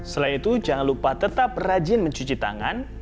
selain itu jangan lupa tetap rajin mencuci tangan